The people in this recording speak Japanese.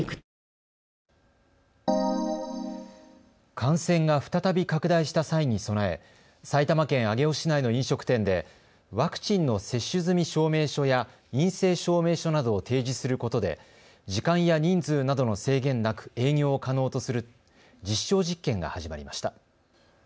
感染が再び拡大した際に備え埼玉県上尾市内の飲食店でワクチンの接種済み証明書や陰性証明書などを提示することで時間や人数などの制限なく営業を可能とする実証実験が始まりました。